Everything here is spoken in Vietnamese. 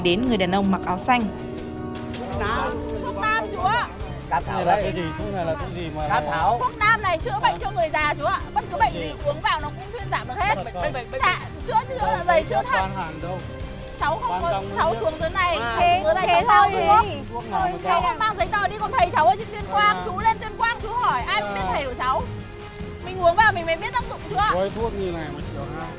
bây giờ lên năn năn đông người ra nào